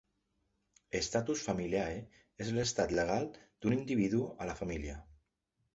"Status familiae" és l'estat legal d'un individu a la família.